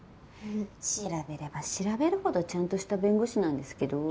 調べれば調べるほどちゃんとした弁護士なんですけど。